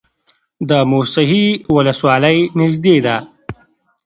د موسهي ولسوالۍ نږدې ده